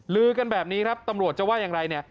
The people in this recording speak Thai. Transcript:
ลือกันแบบนี้ครับตำรวจจะว่าอย่างไรเนี่ย